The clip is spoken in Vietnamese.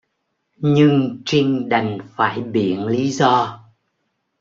Nhưng trinh đành phải biện lý do